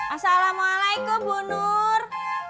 assalamualaikum bu nur